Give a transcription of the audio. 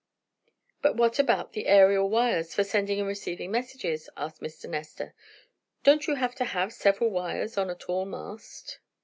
"But what about the aerial wires for sending and receiving messages?" asked Mr. Nestor. "Don't you have to have several wires on a tall mast?"